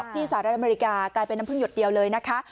สหรัฐอเมริกากลายเป็นน้ำพึ่งหยดเดียวเลยนะคะ